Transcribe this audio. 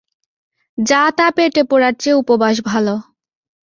যা তা পেটে পোরার চেয়ে উপবাস ভাল।